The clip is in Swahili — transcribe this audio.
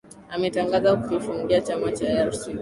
ametangaza kukifungia chama cha rcd